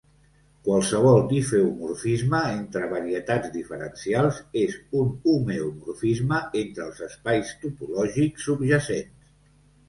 Qualsevol difeomorfisme entre varietats diferencials és un homeomorfisme entre els espais topològics subjacents.